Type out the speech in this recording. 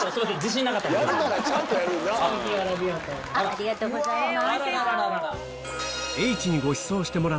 ありがとうございます。